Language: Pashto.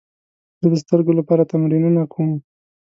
زه د سترګو لپاره تمرینونه کوم.